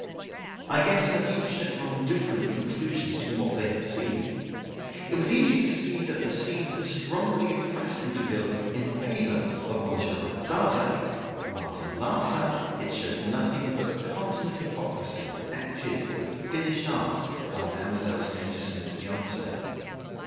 I guessed that each had drawn different conclusions from what they had seen. It was easy to see that the scene had strongly impressed Rouletabille in favour of Monsieur Robert Darzac; while, to Larsan, it showed nothing but consummate hypocrisy, acted with finished art by Mademoiselle Stangerson's fiance.